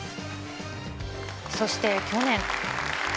そして去年。